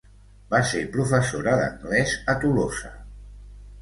Va ser professora d'anglès a Tolosa.